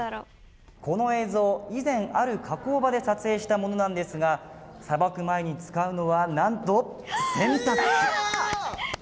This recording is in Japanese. この映像以前ある加工場で撮影したものなんですがさばく前に使うのはなんと洗濯機。